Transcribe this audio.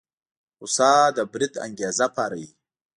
غوسه د بريد انګېزه پاروي.